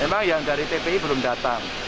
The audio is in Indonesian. memang yang dari tpi belum datang